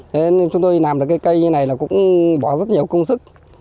thế nên chúng tôi làm được cây như này là cũng bỏ rất nhiều công sức